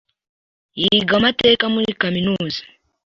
Yiga amateka muri kaminuza.